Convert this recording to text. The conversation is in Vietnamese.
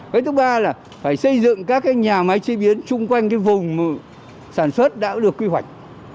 cái thứ ba là phải xây dựng các cái nhà máy chế biến chung quanh vùng sản xuất đã được quy hoạch